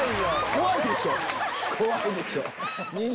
怖いでしょ。